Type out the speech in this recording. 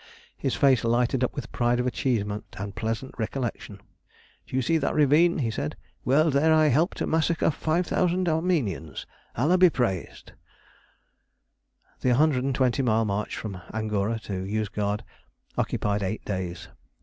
His face lighted up with pride of achievement and pleasant recollection. "Do you see that ravine?" he said. "Well, there I helped to massacre 5000 Armenians. Allah be praised!" The 120 mile march from Angora to Yozgad occupied eight days.